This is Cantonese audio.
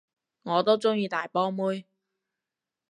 我都鍾意大波妹